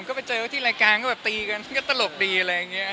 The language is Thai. ก็ไปเจอที่รายการก็แบบตีกันก็ตลกดีอะไรอย่างนี้